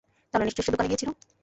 তাহলে নিশ্চয়ই সে দোকানে গিয়েছিল।